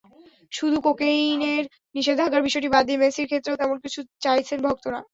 শুধু কোকেইনের নিষেধাজ্ঞার বিষয়টি বাদ দিয়ে মেসির ক্ষেত্রেও তেমন কিছুই চাইছেন ভক্তরা।